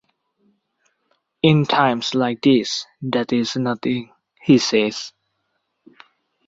"In times like these, death is nothing," he says.